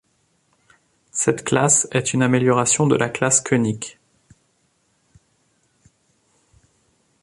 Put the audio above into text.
Celle classe est une amélioration de la classe König.